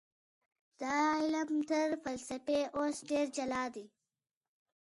دا علم تر فلسفې اوس ډېر جلا دی.